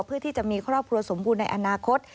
เพื่อที่จะมีครอบครัวสมบูรณ์ในอนาคต